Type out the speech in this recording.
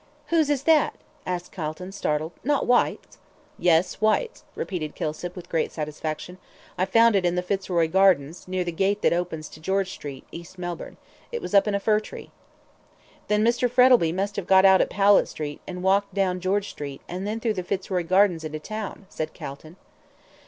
"Whose is that?" asked Calton, startled. "Not Whyte's?" "Yes, Whyte's," repeated Kilsip, with great satisfaction. "I found it in the Fitzroy Gardens, near the gate that opens to George Street, East Melbourne. It was up in a fir tree." "Then Mr. Frettlby must have got out at Powlett Street, and walked down George Street, and then through the Fitzroy Gardens into town," said Calton.